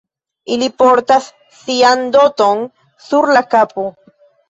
Ili portas sian doton sur la kapo.